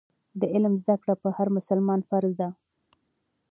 د علم زده کړه په هر مسلمان فرض ده.